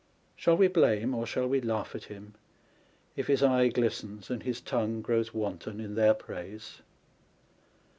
Shall we blame or shall we laugh at him, if his eye glistens, and his tongue grows wanton in their praise